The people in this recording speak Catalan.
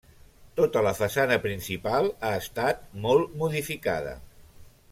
Tota la façana principal ha estat molt modificada.